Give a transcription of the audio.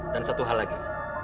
dan satu hal lagi